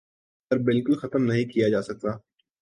پر بالکل ختم نہیں کیا جاسکتا